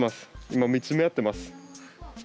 今見つめ合ってます。